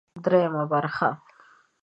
درېيمه برخه